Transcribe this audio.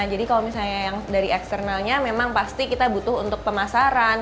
jadi kalau misalnya yang dari eksternalnya memang pasti kita butuh untuk pemasaran